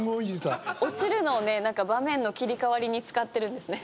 落ちるのをね場面の切り替わりに使ってるんですね。